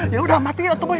ya udah mati ya tuh boy